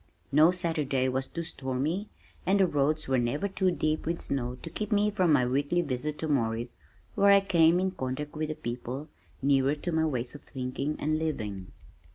No Saturday was too stormy, and the roads were never too deep with snow to keep me from my weekly visit to Morris where I came in contact with people nearer to my ways of thinking and living.